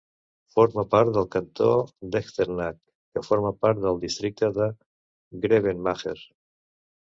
Forma part del Cantó d'Echternach, que forma part del Districte de Grevenmacher.